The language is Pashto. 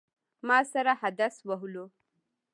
ما سره حدس وهلو.